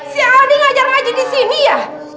si aldi ngajar ngaji disini ya